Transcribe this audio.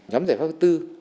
nhóm giải pháp thứ bốn